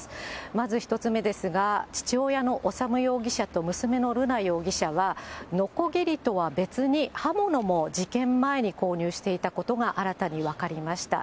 まず１つ目ですが、父親の修容疑者と娘の瑠奈容疑者は、のこぎりとは別に、刃物も事件前に購入していたことが新たに分かりました。